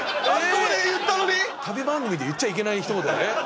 旅番組で言っちゃいけない一言だよね。